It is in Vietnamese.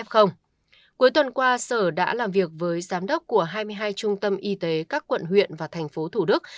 cuối tuần qua sở đã làm việc với giám đốc của hai mươi hai trung tâm y tế các quận huyện và thành phố thủ đức